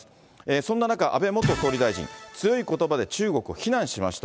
そんな中、安倍元総理大臣、強いことばで中国を非難しました。